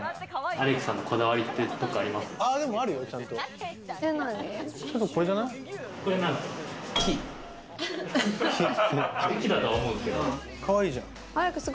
アレクさんのこだわりってあります？